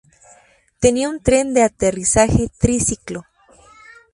Tenía un tren de aterrizaje triciclo.